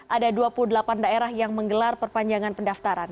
ada dua puluh delapan daerah yang menggelar perpanjangan pendaftaran